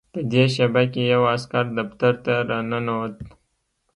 په دې شېبه کې یو عسکر دفتر ته راننوت